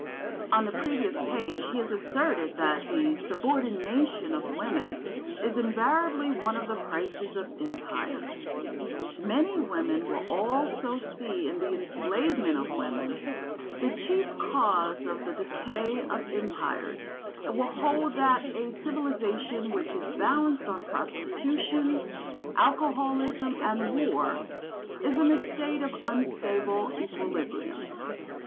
On the previous page he has asserted that "the subordination of women is invariably one of the prices of Empire." Many women will also see in the enslavement of women the chief cause of the decay of Empires, and will hold that a civilisation which is balanced on prostitution, alcoholism and war is in a state of unstable equilibrium.